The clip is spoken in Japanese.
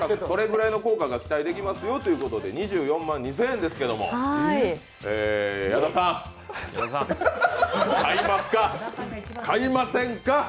それぐらいの効果が期待できますよということで２４万２０００円ですけども、矢田さん、買いますか、買いませんか？